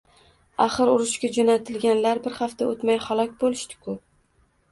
Axir, urushga jo`natilganlar bir hafta o`tmay halok bo`lishdi-ku